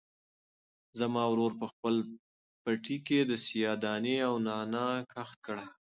زما ورور په خپل پټي کې د سیاه دانې او نعناع کښت کړی.